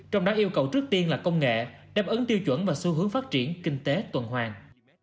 trong đó yêu cầu trước tiên là công nghệ đáp ứng tiêu chuẩn và xu hướng phát triển kinh tế tuần hoàng